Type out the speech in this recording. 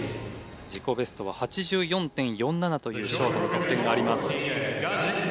自己ベストは８４．４７というショートの得点があります。